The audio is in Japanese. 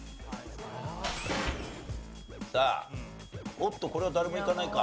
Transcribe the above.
おっとこれは誰もいかないか？